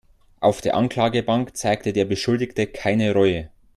Auf der Anklagebank zeigte der Beschuldigte keine Reue.